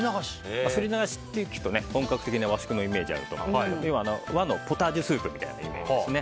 すりながしって聞くと本格的な和食のイメージありますが要は、和のポタージュスープみたいなイメージですね。